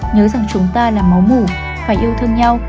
nhớ rằng chúng ta là máu mủ phải yêu thương nhau